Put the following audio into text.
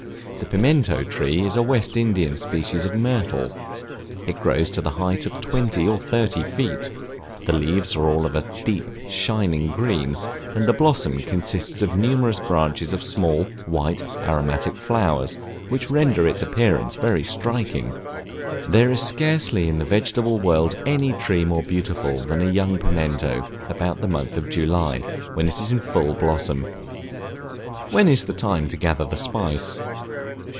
The Pimento Tree is a West Indian species of Myrtle; it grows to the height of twenty or thirty feet; the leaves are all of a deep, shining green, and the blossom consists of numerous branches of small, white, aromatic flowers, which render its appearance very striking; there is scarcely in the vegetable world any tree more beautiful than a young Pimento about the month of July, when it is in full bloom. When is the time to gather the spice?